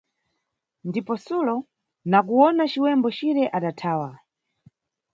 Ndipo Sulo, nakuwona ciwembo cire, adathawa.